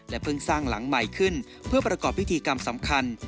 เพิ่งสร้างหลังใหม่ขึ้นเพื่อประกอบพิธีกรรมสำคัญ